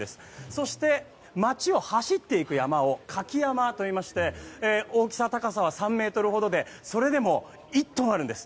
そして、街を走っていく山笠を舁き山笠といいまして大きさ、高さは３ｍほどでそれでも１トンあるんです。